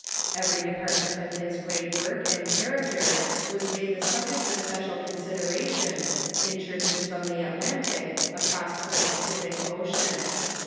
Every department of his great work and character was made the subject of special consideration, in churches from the Atlantic across to the Pacific Ocean.